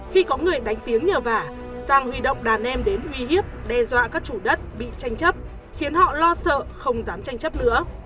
khi có người đánh tiếng nhờ vả giang huy động đàn em đến uy hiếp đe dọa các chủ đất bị tranh chấp khiến họ lo sợ không dám tranh chấp nữa